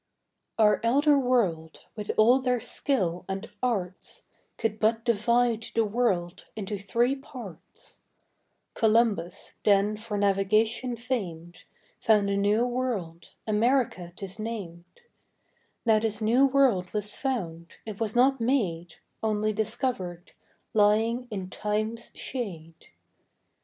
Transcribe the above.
Our Elder World, with all their Skill and Arts, Could but divide the World into three Parts: Columbus, then for Navigation fam'd, Found a new World, America 'tis nam'd; Now this new World was found, it was not made, Onely discovered, lying in Time's shade.